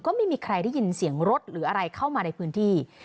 ก็ไม่มีใครได้ยินเสียงรถหรืออะไรเข้ามาในพื้นที่